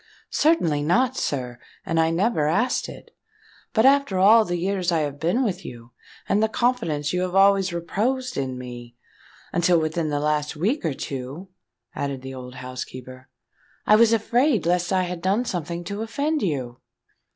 "Certainly not, sir; and I never asked it. But after all the years I have been with you, and the confidence you have always reposed in me—until within the last week or two," added the old housekeeper, "I was afraid lest I had done something to offend you."